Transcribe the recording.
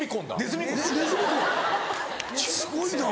すごいな。